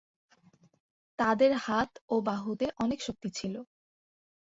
তাদের হাত ও বাহুতে অনেক শক্তি ছিল।